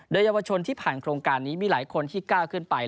โดยเยาวชนที่ผ่านโครงการนี้มีหลายคนที่ก้าวขึ้นไป